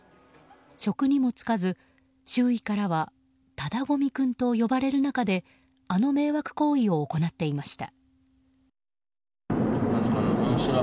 職にも就かず、周囲からはただごみ君と呼ばれる中であの迷惑行為を行っていました。